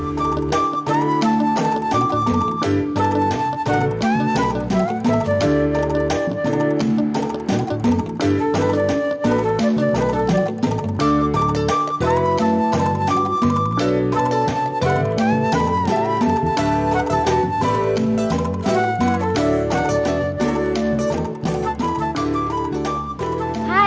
terus terbunuh di jakarta